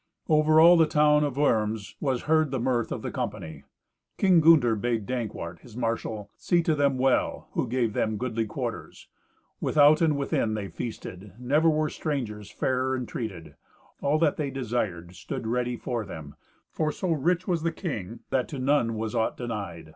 Over all the town of Worms was heard the mirth of the company. King Gunther bade Dankwart, his marshal, see to them well, who gave them goodly quarters. Without and within they feasted; never were strangers fairer entreated; all that they desired stood ready for them, for so rich was the king, that to none was aught denied.